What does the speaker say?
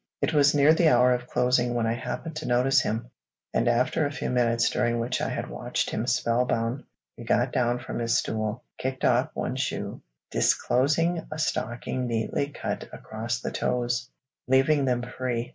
It was near the hour of closing when I happened to notice him, and after a few minutes during which I had watched him spellbound, he got down from his stool, kicked off one shoe, disclosing a stocking neatly cut across the toes, leaving them free.